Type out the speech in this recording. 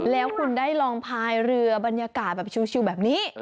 แล้วคุณได้ลองพายเรือบรรยากาศแบบชิวแบบนี้